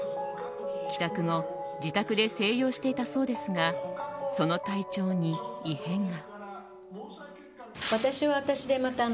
帰宅後自宅で静養していたそうですがその体調に異変が。